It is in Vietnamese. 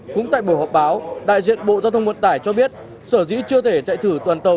cũng tại bộ họp báo đại diện bộ giao thông vận tài cho biết sở dĩ chưa thể chạy thử toàn tàu